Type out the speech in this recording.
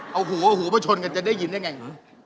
เอาหูมาชนกันจะได้ยินได้อย่างไร